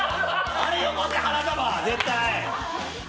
あれ、よこせ、花束、絶対！